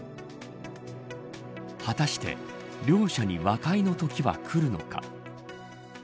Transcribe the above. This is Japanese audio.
果たして、両者に和解のときは来るのか。